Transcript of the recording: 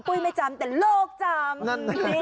ปุ้ยไม่จำแต่โลกจำ